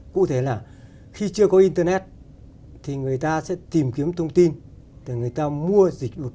cụ thể là khi chưa có internet thì người ta sẽ tìm kiếm thông tin để người ta mua dịch